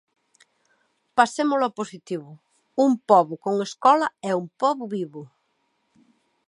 Pasémolo a positivo: un pobo con escola é un pobo vivo.